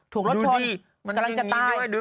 ถูกรถชนกำลังจะตาย